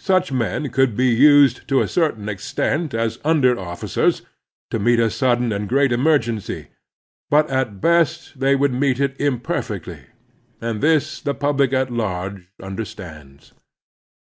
Such men could be used to a certain extent as under officers to meet a sudden and great emergency; but at best they would meet it imperfectly, and this the public at large under stands.